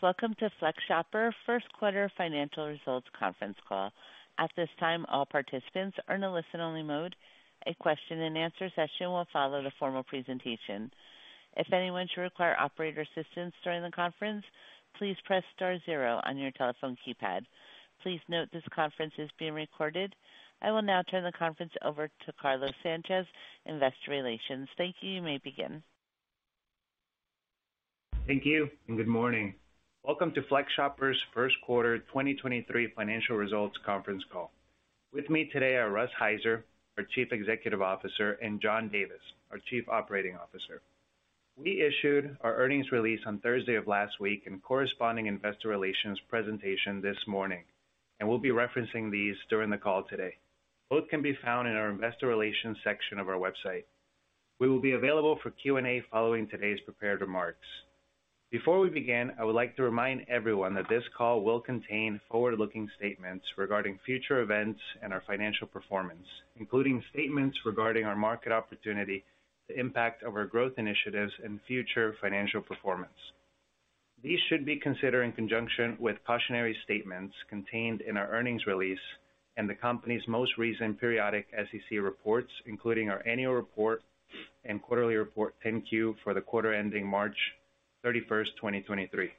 Welcome to FlexShopper First Quarter Financial Results Conference Call. At this time, all participants are in a listen-only mode. A question-and-answer session will follow the formal presentation. If anyone should require operator assistance during the conference, please press star zero on your telephone keypad. Please note this conference is being recorded. I will now turn the conference over to Carlos Sanchez, Investor Relations. Thank you. You may begin. Thank you and good morning. Welcome to FlexShopper's First Quarter 2023 financial results conference call. With me today are Russ Heiser, our Chief Executive Officer, and John Davis, our Chief Operating Officer. We issued our earnings release on Thursday of last week and corresponding Investor Relations presentation this morning, we'll be referencing these during the call today. Both can be found in our Investor Relations section of our website. We will be available for Q&A following today's prepared remarks. Before we begin, I would like to remind everyone that this call will contain forward-looking statements regarding future events and our financial performance, including statements regarding our market opportunity, the impact of our growth initiatives, and future financial performance. These should be considered in conjunction with cautionary statements contained in our earnings release and the company's most recent periodic SEC reports, including our annual report and quarterly report 10-Q for the quarter ending March 31st, 2023.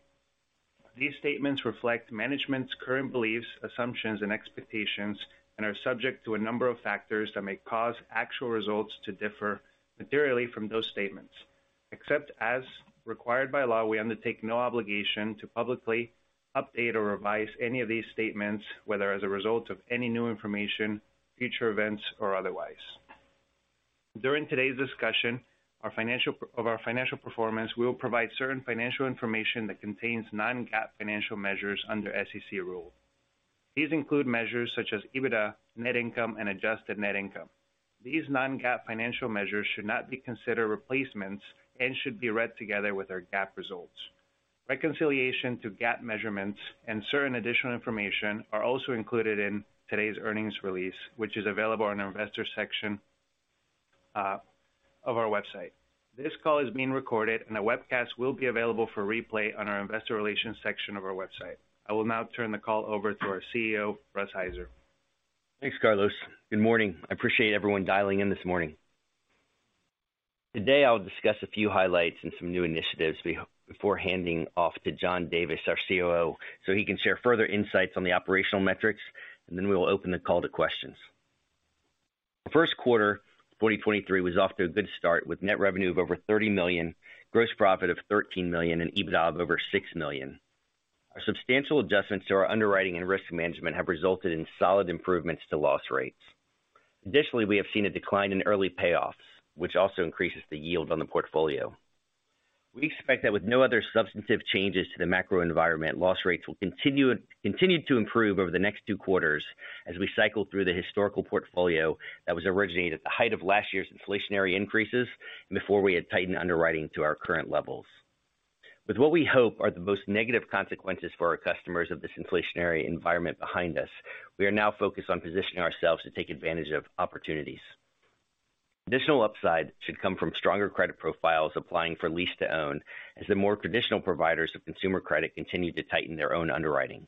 These statements reflect management's current beliefs, assumptions, and expectations and are subject to a number of factors that may cause actual results to differ materially from those statements. Except as required by law, we undertake no obligation to publicly update or revise any of these statements, whether as a result of any new information, future events, or otherwise. During today's discussion of our financial performance, we will provide certain financial information that contains non-GAAP financial measures under SEC rule. These include measures such as EBITDA, net income, and adjusted net income. These non-GAAP financial measures should not be considered replacements and should be read together with our GAAP results. Reconciliation to GAAP measurements and certain additional information are also included in today's earnings release, which is available on the investor section of our website. This call is being recorded, and a webcast will be available for replay on our investor relations section of our website. I will now turn the call over to our CEO, Russ Heiser. Thanks, Carlos. Good morning. I appreciate everyone dialing in this morning. Today, I'll discuss a few highlights and some new initiatives before handing off to John Davis, our COO, so he can share further insights on the operational metrics. We will open the call to questions. The first quarter, 2023, was off to a good start, with net revenue of over $30 million, gross profit of $13 million, and EBITDA of over $6 million. Our substantial adjustments to our underwriting and risk management have resulted in solid improvements to loss rates. Additionally, we have seen a decline in early payoffs, which also increases the yield on the portfolio. We expect that with no other substantive changes to the macro environment, loss rates will continue to improve over the next two quarters as we cycle through the historical portfolio that was originated at the height of last year's inflationary increases and before we had tightened underwriting to our current levels. With what we hope are the most negative consequences for our customers of this inflationary environment behind us, we are now focused on positioning ourselves to take advantage of opportunities. Additional upside should come from stronger credit profiles applying for lease-to-own as the more traditional providers of consumer credit continue to tighten their own underwriting.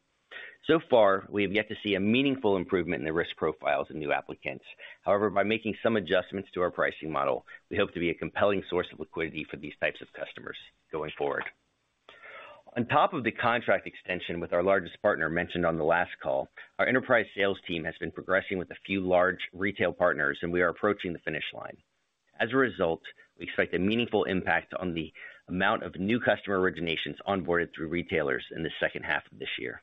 So far, we have yet to see a meaningful improvement in the risk profiles of new applicants. However, by making some adjustments to our pricing model, we hope to be a compelling source of liquidity for these types of customers going forward. On top of the contract extension with our largest partner mentioned on the last call, our enterprise sales team has been progressing with a few large retail partners, and we are approaching the finish line. As a result, we expect a meaningful impact on the amount of new customer originations onboarded through retailers in the second half of this year.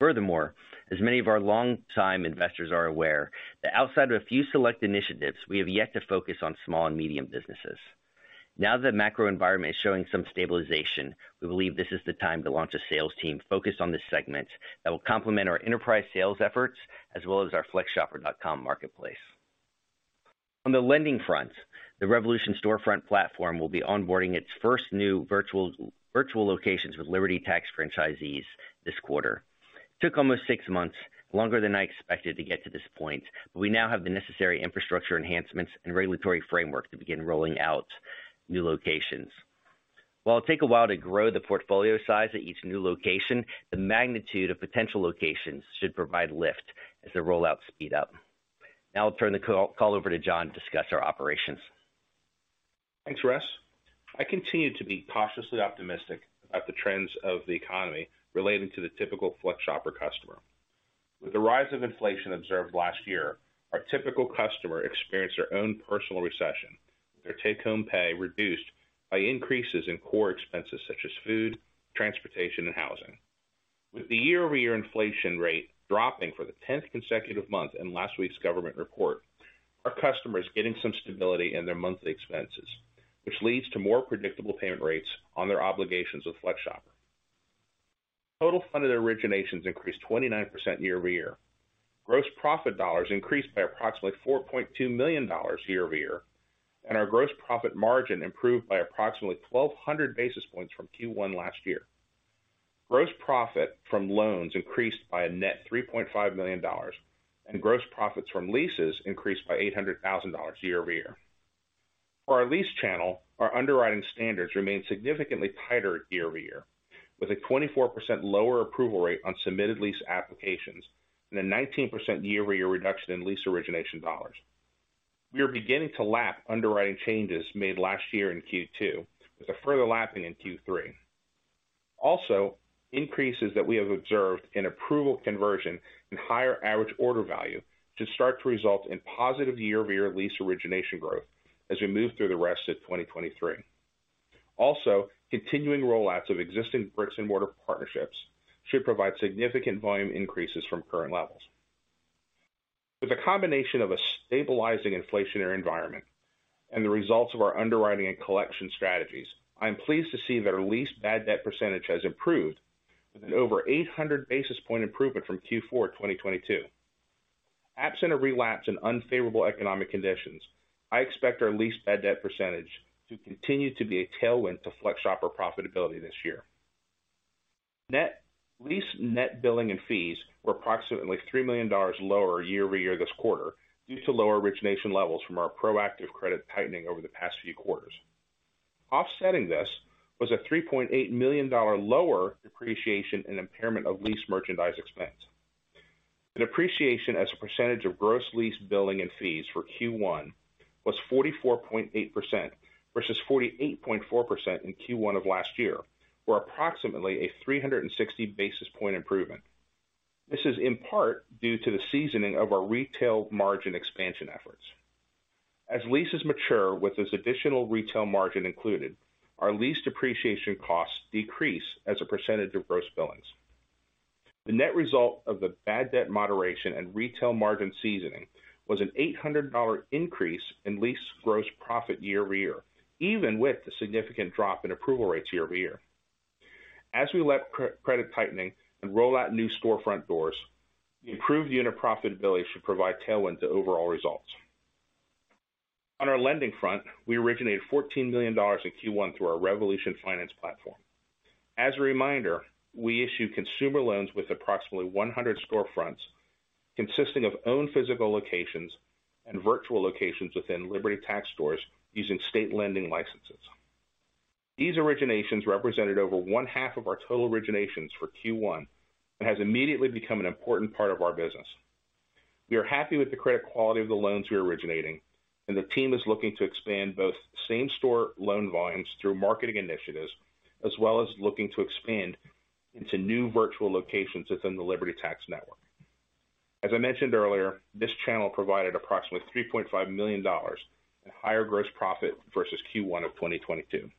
As many of our longtime investors are aware, that outside of a few select initiatives, we have yet to focus on small and medium businesses. Now that the macro environment is showing some stabilization, we believe this is the time to launch a sales team focused on this segment that will complement our enterprise sales efforts as well as our flexshopper.com marketplace. On the lending front, the Revolution storefront platform will be onboarding its first new virtual locations with Liberty Tax franchisees this quarter. Took almost six months, longer than I expected to get to this point. We now have the necessary infrastructure enhancements and regulatory framework to begin rolling out new locations. While it'll take a while to grow the portfolio size at each new location, the magnitude of potential locations should provide lift as the rollouts speed up. I'll turn the call over to John to discuss our operations. Thanks, Russ. I continue to be cautiously optimistic about the trends of the economy relating to the typical FlexShopper customer. With the rise of inflation observed last year, our typical customer experienced their own personal recession, their take-home pay reduced by increases in core expenses such as food, transportation, and housing. With the year-over-year inflation rate dropping for the 10th consecutive month in last week's government report, our customers getting some stability in their monthly expenses, which leads to more predictable payment rates on their obligations with FlexShopper. Total funded originations increased 29% year-over-year. Gross profit dollars increased by approximately $4.2 million year-over-year, and our gross profit margin improved by approximately 1,200 basis points from Q1 last year. Gross profit from loans increased by a net $3.5 million, gross profits from leases increased by $800,000 year-over-year. For our lease channel, our underwriting standards remain significantly tighter year-over-year, with a 24% lower approval rate on submitted lease applications and a 19% year-over-year reduction in lease origination dollars. We are beginning to lap underwriting changes made last year in Q2 with a further lapping in Q3. Increases that we have observed in approval conversion and higher average order value should start to result in positive year-over-year lease origination growth as we move through the rest of 2023. Continuing rollouts of existing bricks and mortar partnerships should provide significant volume increases from current levels. With a combination of a stabilizing inflationary environment and the results of our underwriting and collection strategies, I am pleased to see that our lease bad debt percentage has improved with an over 800 basis point improvement from Q4 2022. Absent a relapse in unfavorable economic conditions, I expect our lease bad debt percentage to continue to be a tailwind to FlexShopper profitability this year. lease net billing and fees were approximately $3 million lower year-over-year this quarter due to lower origination levels from our proactive credit tightening over the past few quarters. Offsetting this was a $3.8 million lower depreciation and impairment of lease merchandise expense. Appreciation as a percentage of gross lease billing and fees for Q1 was 44.8% versus 48.4% in Q1 of last year, or approximately a 360 basis point improvement. This is in part due to the seasoning of our retail margin expansion efforts. As leases mature with this additional retail margin included, our lease depreciation costs decrease as a percentage of gross billings. The net result of the bad debt moderation and retail margin seasoning was an $800 increase in lease gross profit year-over-year, even with the significant drop in approval rates year-over-year. As we let credit tightening and roll out new storefront doors, the improved unit profitability should provide tailwind to overall results. On our lending front, we originated $14 million in Q1 through our Revolution Finance platform. As a reminder, we issue consumer loans with approximately 100 storefronts consisting of own physical locations and virtual locations within Liberty Tax stores using state lending licenses. These originations represented over one half of our total originations for Q1 and has immediately become an important part of our business. We are happy with the credit quality of the loans we are originating. The team is looking to expand both same-store loan volumes through marketing initiatives, as well as looking to expand into new virtual locations within the Liberty Tax network. As I mentioned earlier, this channel provided approximately $3.5 million in higher gross profit versus Q1 of 2022.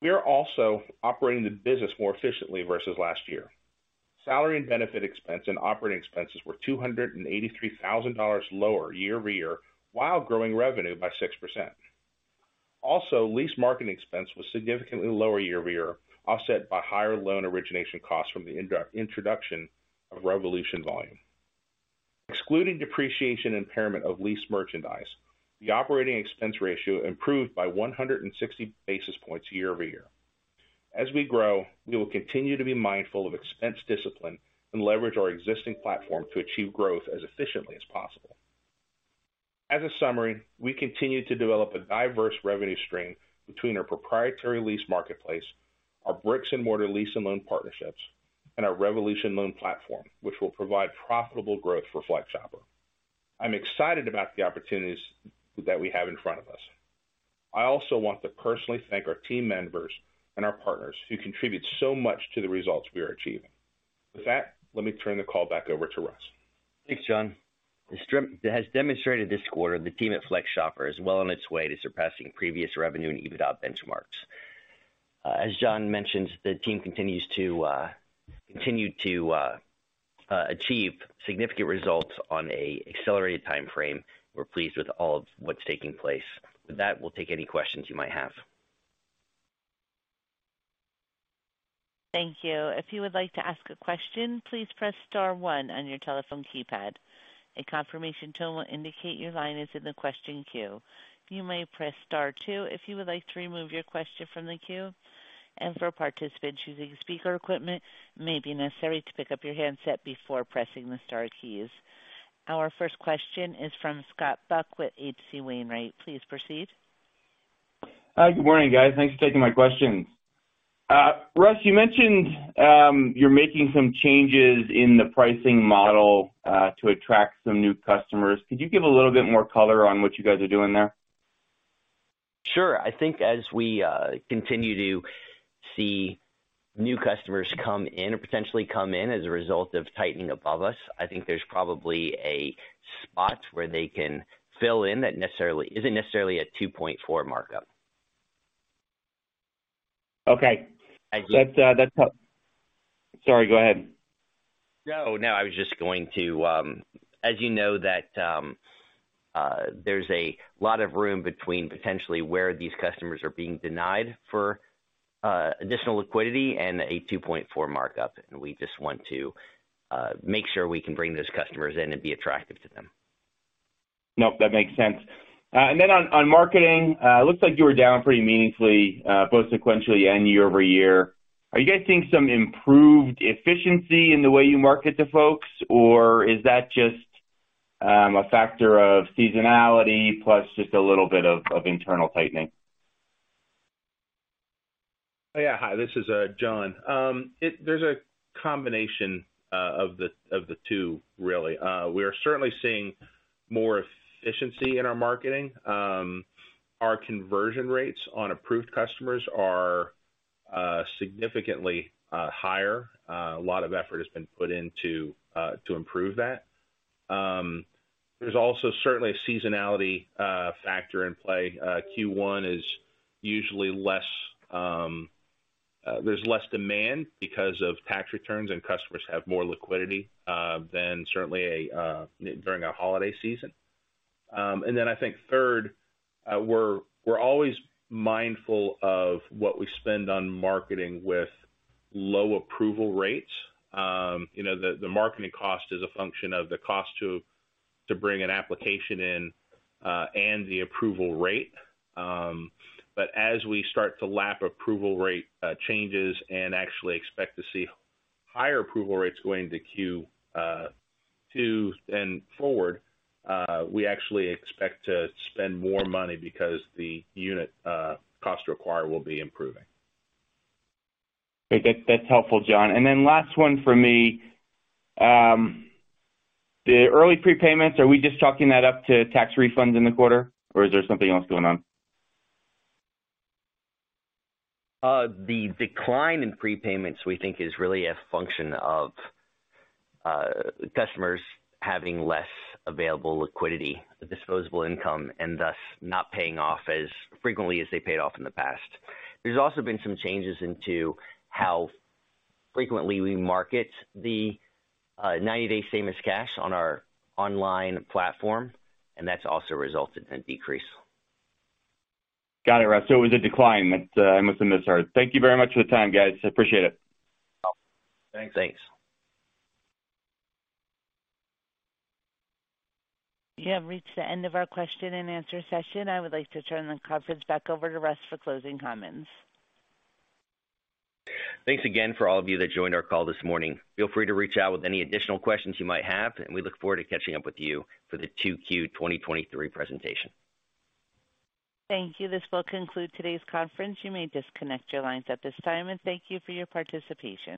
We are also operating the business more efficiently versus last year. Salary and benefit expense and operating expenses were $283,000 lower year-over-year, while growing revenue by 6%. Also, lease marketing expense was significantly lower year-over-year, offset by higher loan origination costs from the introduction of Revolution volume. Excluding depreciation impairment of lease merchandise, the operating expense ratio improved by 160 basis points year-over-year. As we grow, we will continue to be mindful of expense discipline and leverage our existing platform to achieve growth as efficiently as possible. As a summary, we continue to develop a diverse revenue stream between our proprietary lease marketplace, our bricks and mortar lease and loan partnerships, and our Revolution loan platform, which will provide profitable growth for FlexShopper. I'm excited about the opportunities that we have in front of us. I also want to personally thank our team members and our partners who contribute so much to the results we are achieving. With that, let me turn the call back over to Russ. Thanks, John. This it has demonstrated this quarter the team at FlexShopper is well on its way to surpassing previous revenue and EBITDA benchmarks. As John mentioned, the team continues to achieve significant results on a accelerated timeframe. We're pleased with all of what's taking place. With that, we'll take any questions you might have. Thank you. If you would like to ask a question, please press star one on your telephone keypad. A confirmation tone will indicate your line is in the question queue. You may press star two if you would like to remove your question from the queue. For participants using speaker equipment, it may be necessary to pick up your handset before pressing the star keys. Our first question is from Scott Buck with H.C. Wainwright. Please proceed. Good morning, guys. Thanks for taking my questions. Russ, you mentioned, you're making some changes in the pricing model, to attract some new customers. Could you give a little bit more color on what you guys are doing there? Sure. I think as we continue to see new customers come in or potentially come in as a result of tightening above us, I think there's probably a spot where they can fill in that isn't necessarily a 2.4 markup. Okay. Thank you. Sorry, go ahead. No, I was just going to, as you know that, there's a lot of room between potentially where these customers are being denied for, additional liquidity and a 2.4 markup. We just want to, make sure we can bring those customers in and be attractive to them. Nope, that makes sense. Then on marketing, looks like you were down pretty meaningfully, both sequentially and year-over-year? Are you guys seeing some improved efficiency in the way you market to folks? Or is that just a factor of seasonality plus just a little bit of internal tightening? Yeah. Hi, this is John. There's a combination of the two really. We are certainly seeing more efficiency in our marketing. Our conversion rates on approved customers are significantly higher. A lot of effort has been put into to improve that. There's also certainly a seasonality factor in play. Q1 is usually less, there's less demand because of tax returns, and customers have more liquidity than certainly a during a holiday season. I think third, we're always mindful of what we spend on marketing with low approval rates. You know, the marketing cost is a function of the cost to bring an application in and the approval rate. As we start to lap approval rate changes and actually expect to see higher approval rates going into Q2 and forward, we actually expect to spend more money because the unit cost to acquire will be improving. That's helpful, John. Then last one for me. The early prepayments, are we just chalking that up to tax refunds in the quarter or is there something else going on? The decline in prepayments we think is really a function of customers having less available liquidity, the disposable income, and thus not paying off as frequently as they paid off in the past. There's also been some changes into how frequently we market the 90-Day Same as Cash on our online platform. That's also resulted in a decrease. Got it, Russ. It was a decline that I must have misheard. Thank you very much for the time, guys. I appreciate it. Thanks. Thanks. You have reached the end of our question and answer session. I would like to turn the conference back over to Russ for closing comments. Thanks again for all of you that joined our call this morning. Feel free to reach out with any additional questions you might have, and we look forward to catching up with you for the 2Q 2023 presentation. Thank you. This will conclude today's conference. You may disconnect your lines at this time. Thank you for your participation.